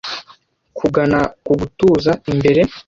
Kugana ku gutuza imbere